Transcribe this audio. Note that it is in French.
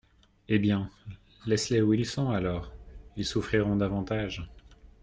Eh bien ! laisse-les où ils sont, alors ; ils souffriront davantage.